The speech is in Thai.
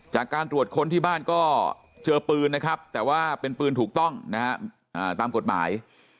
จากการตรวจค้นที่บ้านก็เจอปืนนะครับแต่ว่าเป็นปืนถูกต้องนะฮะตามกฎหมาย